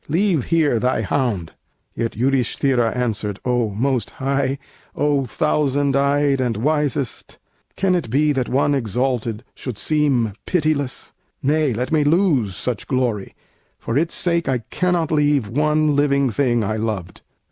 Leave here thy hound." Yet Yudhisthira answered: "O Most High, O, Thousand eyed and wisest! can it be That one exalted should seem pitiless? Nay, let me lose such glory; for its sake I cannot leave one living thing I loved."